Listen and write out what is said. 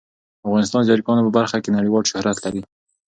افغانستان د چرګانو په برخه کې نړیوال شهرت لري.